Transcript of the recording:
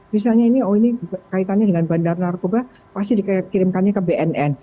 misalnya ini oh ini kaitannya dengan bandar narkoba pasti dikirimkannya ke bnn